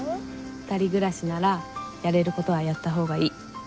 二人暮らしならやれる事はやったほうがいい。